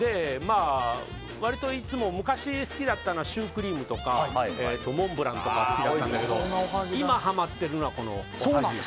割と昔好きだったシュークリームとかモンブランとか好きだったんだけど今、ハマってるのはおはぎ。